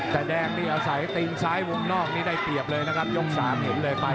แต่แดงนี่อาศัยตีนซ้ายวงนอกนี่ได้เปรียบเลยนะครับยก๓เห็นเลยไป